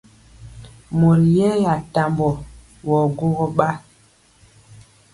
Mori yɛya tambɔ wɔ gwogɔ ɓa.